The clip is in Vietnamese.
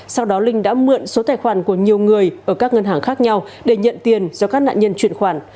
sau đó linh đã mượn số tài khoản của nhiều người ở các ngân hàng khác nhau để nhận tiền do các nạn nhân chuyển khoản